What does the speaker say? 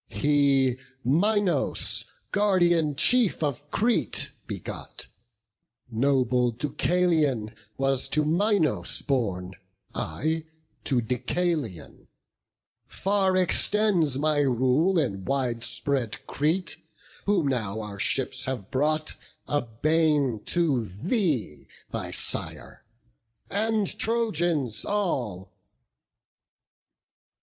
He Minos, guardian chief of Crete, begot; Noble Deucalion was to Minos born, I to Deucalion; far extends my rule In wide spread Crete; whom now our ships have brought, A bane to thee, thy sire, and Trojans all."